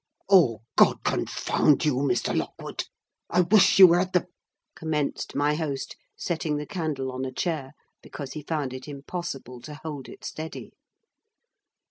"Oh, God confound you, Mr. Lockwood! I wish you were at the—" commenced my host, setting the candle on a chair, because he found it impossible to hold it steady.